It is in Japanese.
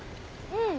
うん。